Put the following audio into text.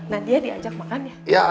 nadia diajak makan ya